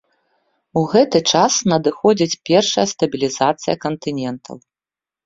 У гэты час надыходзіць першая стабілізацыя кантынентаў.